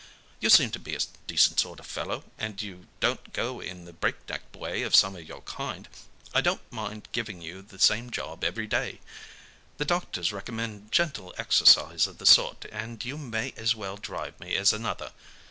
"'You seem to be a decent sort of fellow, and you don't go in the break neck way of some of your kind. I don't mind giving you the same job every day. The doctors recommend gentle exercise of the sort, and you may as well drive me as another.